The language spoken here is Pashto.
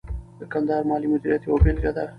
د کندهار مالي مدیریت یوه بیلګه ده.